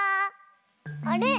あれ？